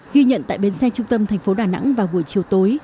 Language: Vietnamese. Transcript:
ghi nhận tại bến xe trung tâm thành phố đà nẵng vào buổi chiều tối